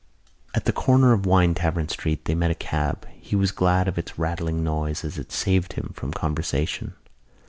At the corner of Winetavern Street they met a cab. He was glad of its rattling noise as it saved him from conversation.